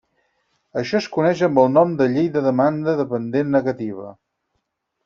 Això es coneix amb el nom de Llei de la Demanda de Pendent Negativa.